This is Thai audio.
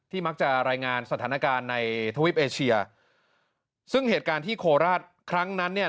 มักจะรายงานสถานการณ์ในทวิปเอเชียซึ่งเหตุการณ์ที่โคราชครั้งนั้นเนี่ย